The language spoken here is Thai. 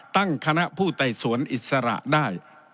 ตั้งคณะผู้ไต่สวนอิสระได้